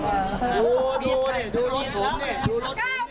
๙ปี๘ปีมาแล้วมึงจะให้กูรอ